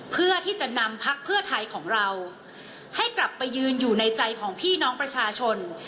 เพื่อที่จะนำพักเพื่อไทยของเราให้กลับไปยืนอยู่ในใจของพี่น้องประชาชน